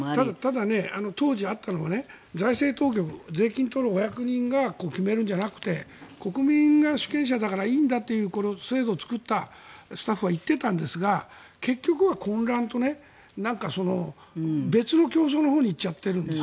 ただ、当時あったのは財政当局、税金を取るお役人が決めるんじゃなくて国民が主権者だからいいんだという制度を作ったスタッフは言っていたんですが結局は混乱となんか、別の競争のほうに行っちゃってるんです。